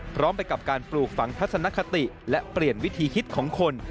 พร้อมไปกับการปลูกฝังทัศนคติและเปลี่ยนวิธีคิดของคน